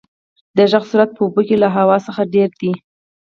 د غږ سرعت په اوبو کې له هوا څخه ډېر دی.